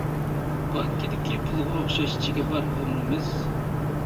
بانكىدىكى پۇلغا ئوخشاش چىكى بار ئۆمرىمىز.